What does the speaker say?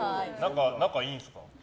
仲いいんですか？